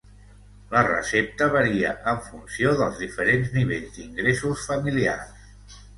La recepta varia en funció dels diferents nivells d'ingressos familiars.